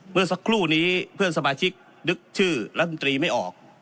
เมื่อสักครู่นี้เพื่อนสมาชิกนึกชื่อรัฐมนตรีไม่ออก